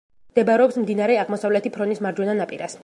მდებარეობს მდინარე აღმოსავლეთი ფრონის მარჯვენა ნაპირას.